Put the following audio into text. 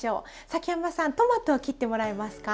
崎山さんトマトを切ってもらえますか。